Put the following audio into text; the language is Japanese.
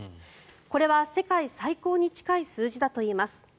これは世界最高に近い数字だといいます。